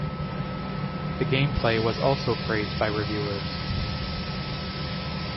The gameplay was also praised by reviewers.